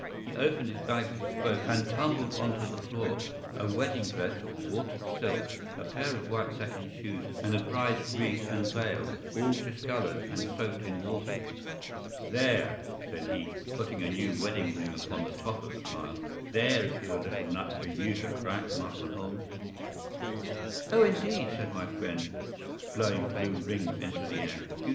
” He opened his bag as he spoke, and tumbled onto the floor a wedding dress of watered silk, a pair of white satin shoes, and a bride’s wreath and veil, all discolored and soaked in water. “There,” said he, putting a new wedding ring upon the top of the pile. “There is a little nut for you to crack, Master Holmes.” “Oh, indeed!